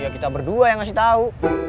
ya kita berdua yang ngasih tahu